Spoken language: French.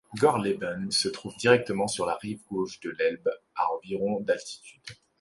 Gorleben se trouve directement sur la rive gauche de l'Elbe à environ d'altitude.